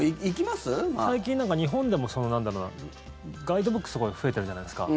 最近、日本でもガイドブックすごい増えてるじゃないですか。